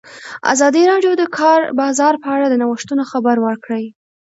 ازادي راډیو د د کار بازار په اړه د نوښتونو خبر ورکړی.